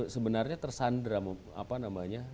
sebenarnya tersandera apa namanya